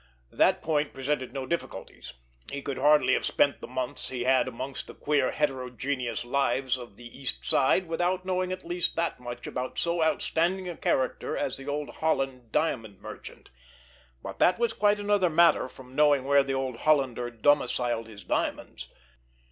That point presented no difficulties; he could hardly have spent the months he had amongst the queer, heterogeneous lives of the East Side without knowing at least that much about so outstanding a character as the old Holland diamond merchant—but that was quite another matter from knowing where the old Hollander domiciled his diamonds!